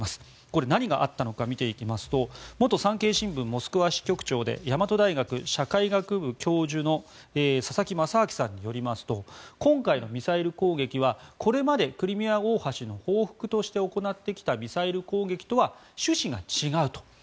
これ、何があったか見ていきますと元産経新聞モスクワ支局長で大和大学社会学部教授の佐々木正明さんによりますと今回のミサイル攻撃はこれまでクリミア大橋の報復として行ってきたミサイル攻撃とは趣旨が違うと。